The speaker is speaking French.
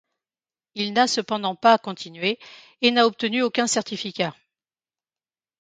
Il n'a cependant pas continué et n'a obtenu aucun certificat.